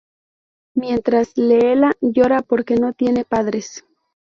Mientras, Leela llora porque no tiene padres.